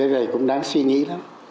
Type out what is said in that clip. để chúng ta giải quyết